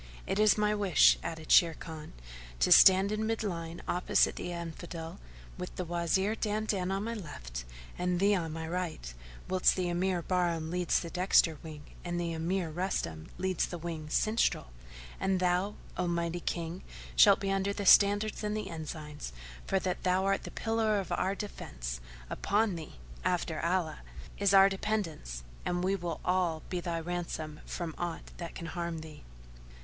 "It is my wish," added Sharrkan, "to stand in mid line opposite the Infidel, with the Wazir Dandan on my left and thee on my right, whilst the Emir Bahram leads the dexter wing and the Emir Rustam leads the wing sinistral; and thou, O mighty King, shalt be under the standards and the ensigns, for that thou art the pillar of our defence; upon thee, after Allah, is our dependence and we will all be thy ransom from aught that can harm thee."